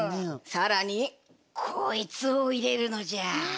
更にこいつを入れるのじゃ。